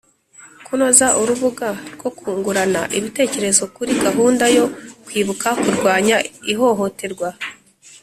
Kunoza urubuga rwo kungurana ibitekerezo kuri gahunda yo kwibuka kurwanya ihohoterwa